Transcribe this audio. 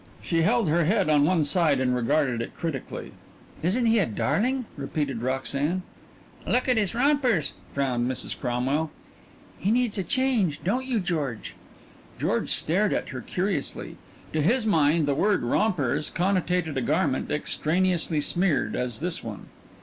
She held her head on one side and regarded it critically. "Isn't he a darling?" repeated Roxanne. "Look at his rompers," frowned Mrs. Cromwell. "He needs a change, don't you, George?" George stared at her curiously. To his mind the word rompers connotated a garment extraneously smeared, as this one.